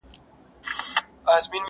اوس به څوك ځي په اتڼ تر خيبرونو!!